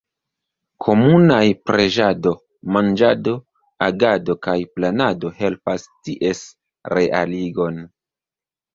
Komunaj preĝado, manĝado, agado kaj planado helpas ties realigon.